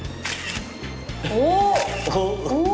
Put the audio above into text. お！